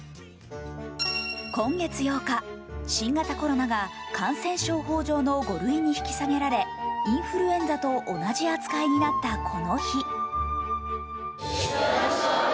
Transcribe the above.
今月８日、新型コロナが感染症法上の５類に引き下げられ、インフルエンザと同じ扱いになったこの日。